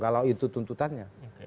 kalau itu tuntutannya